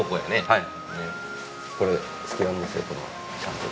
はい。